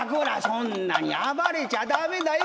そんなに暴れちゃ駄目だよ。